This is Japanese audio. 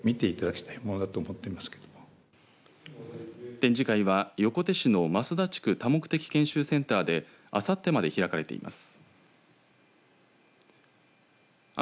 展示会は、横手市の増田地区多目的研修センターであさってまで開かれています。